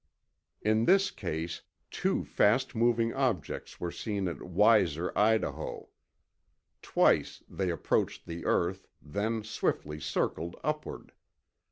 In this case, two fast moving objects were seen at Weiser, Idaho, Twice they approached the earth, then swiftly circled upward.